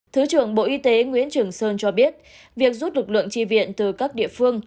thứ trưởng bộ y tế nguyễn trường sơn cho biết việc rút lực lượng tri viện từ các địa phương